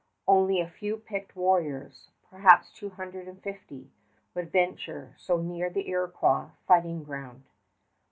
Only a few picked warriors perhaps two hundred and fifty would venture so near the Iroquois fighting ground.